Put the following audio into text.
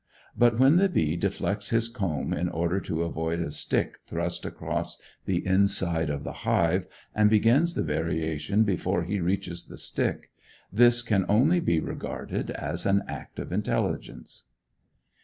But when the bee deflects his comb in order to avoid a stick thrust across the inside of the hive, and begins the variation before he reaches the stick, this can only be regarded as an act of intelligence.